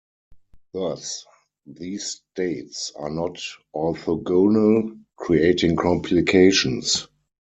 Thus these states are not orthogonal, creating complications.